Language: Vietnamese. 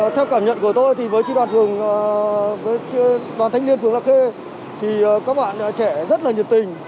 theo cảm nhận của tôi với đoàn thanh niên phường la khê các bạn trẻ rất nhiệt tình